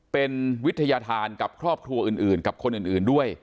เป็นวิทยาธารกับครอบครัวอื่นกับคนอื่นด้วย